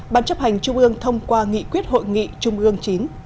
ban chấp hành trung ương thông qua nghị quyết hội nghị trung ương chín